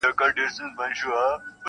اشرف المخلوقات یم ما مېږی وژلی نه دی.